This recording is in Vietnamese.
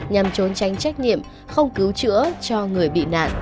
nhằm trốn tránh trách nhiệm không cứu chữa cho người bị nạn